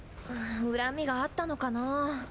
恨みがあったのかな。